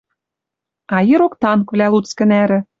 А ирок танквлӓ луцкы нӓрӹ